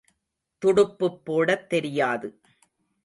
துடுப்புப் போடத் தெரியாது.